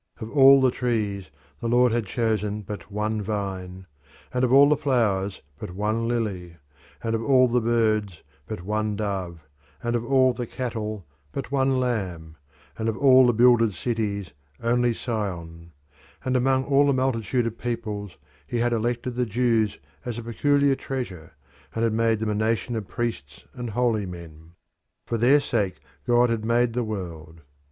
Of all the trees, the Lord had chosen but one vine; and of all the flowers but one lily; and of all the birds but one dove; and of all the cattle but one lamb; and of all the builded cities only Sion; and among all the multitude of peoples he had elected the Jews as a peculiar treasure, and had made them a nation of priests and holy men. For their sake God had made the world.